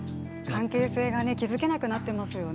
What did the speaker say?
関係性が築けなくなってますよね。